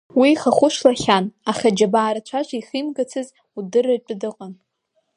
Уи ихахәы шлахьан, аха аџьабаа рацәа шихимгацыз удырратәы дыҟан.